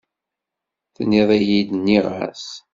Tenniḍ-iyi-d, nniɣ-as.